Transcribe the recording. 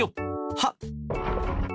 はっ！